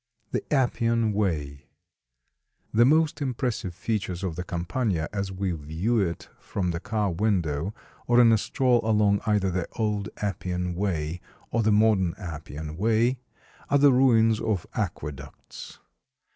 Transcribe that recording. THE APPIAN WAY The most impressive features of the Campagna as we view it from the car window or in a stroll along either the old Appian Way or the modern Appian Way, are the ruins of aqueducts.